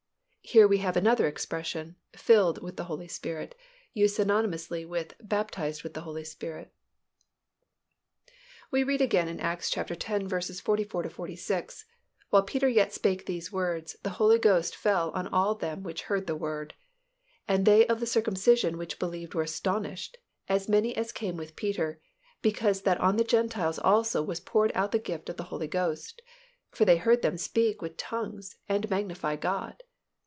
Here we have another expression "filled with the Holy Spirit" used synonymously with "baptized with the Holy Spirit." We read again in Acts x. 44 46, "While Peter yet spake these words, the Holy Ghost fell on all them which heard the word. And they of the circumcision which believed were astonished, as many as came with Peter, because that on the Gentiles also was poured out the gift of the Holy Ghost. For they heard them speak with tongues, and magnify God."